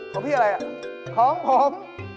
ของพี่อะไรอ่ะของผม